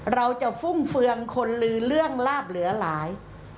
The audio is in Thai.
ฟุ่มเฟืองคนลือเรื่องลาบเหลือหลาย